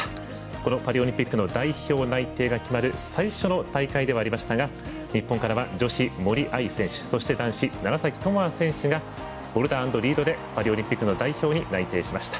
このパリオリンピックの代表内定が決まる最初の大会でもありましたが日本からは女子、森秋彩選手そして男子、楢崎智亜選手がボルダー＆リードでパリオリンピックの代表に内定しました。